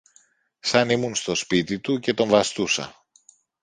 σαν ήμουν στο σπίτι του και τον βαστούσα!